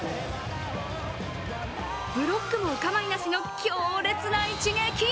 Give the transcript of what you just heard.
ブロックもお構いなしの強烈な一撃。